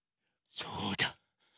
そうだ。